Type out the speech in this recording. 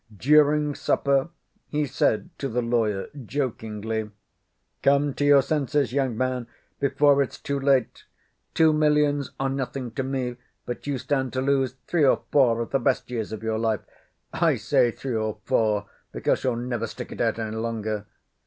During supper he said to the lawyer jokingly: "Come to your senses, young roan, before it's too late. Two millions are nothing to me, but you stand to lose three or four of the best years of your life. I say three or four, because you'll never stick it out any longer.